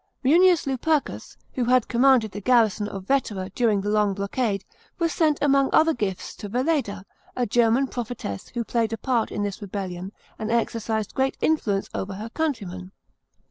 Munius Lupercus, who had commanded the garrison of Vetera during the long blockade, was sent among other gifts to Veleda,* a German prophetess who played a part in this rebellion, and exercised great influence over her countrymen.